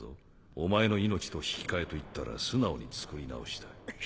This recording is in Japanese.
お前の命と引き換えと言ったら素直に作り直した。